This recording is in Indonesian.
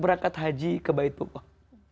berangkat haji ke baitullah